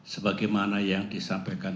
sebagaimana yang disampaikan